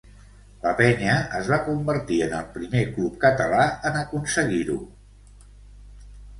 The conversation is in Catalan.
La Penya es va convertir en el primer club català en aconseguir-ho.